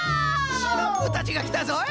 シナプーたちがきたぞい！